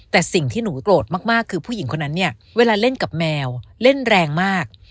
แต่สิ่งที่หนูโกรธมากคือผู้หญิงคนนั้นเนี่ยเวลาเล่นกับแมวเล่นแรงมาก